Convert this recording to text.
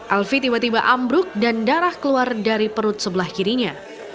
alfie tiba tiba ambruk dan darah keluar dari perut sebelah kirinya